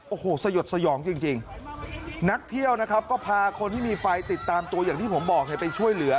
โอ้โหสยดสยองจริงนักเที่ยวนะครับก็พาคนที่มีไฟติดตามตัวอย่างที่ผมบอกให้ไปช่วยเหลือ